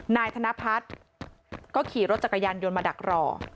นายธนพัฒน์ก็ขี่รถจักรยานยนต์มาดักรอ